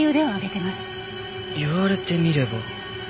言われてみれば。